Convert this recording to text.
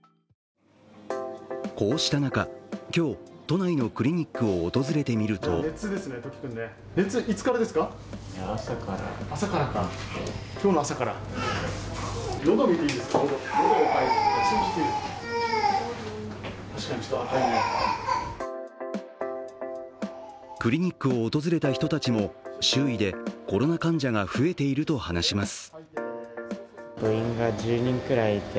こうした中、今日、都内のクリニックを訪れてみるとクリニックを訪れた人たちも周囲でコロナ患者が増えていると話します。